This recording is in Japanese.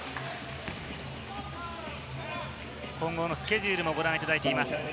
今後のスケジュールもご覧いただいています。